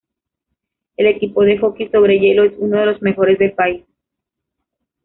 El equipo de hockey sobre hielo es uno de los mejores del país.